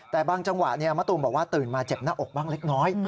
แต่บางจังหวะมะตูมบอกว่าตื่นมาเจ็บหน้าอกบ้างเล็กน้อย